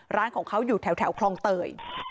ร้านของเขาอยู่แถวคลองเตย